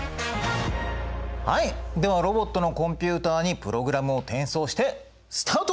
はいではロボットのコンピュータにプログラムを転送してスタート！